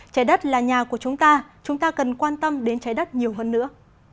trái đất là nhà của chúng ta chúng ta cần quan tâm đến trái đất nhiều hơn nữa